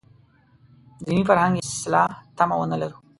د دیني فرهنګ اصلاح تمه ونه لرو.